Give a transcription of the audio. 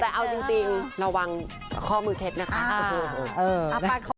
แต่เอาจริงระวังข้อมือเคล็ดนะคะ